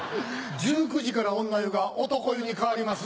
１９時から女湯が男湯に変わります。